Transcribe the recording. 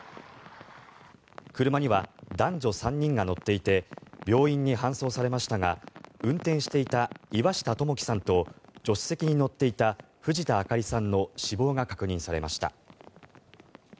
車には男女３人が乗っていて病院に搬送されましたが運転していた岩下知樹さんと助手席に乗っていた藤田明里さんの死亡が確認されました。